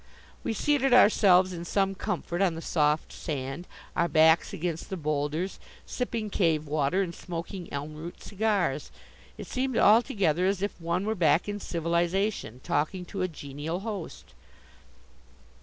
We seated ourselves in some comfort on the soft sand, our backs against the boulders, sipping cave water and smoking elm root cigars. It seemed altogether as if one were back in civilization, talking to a genial host.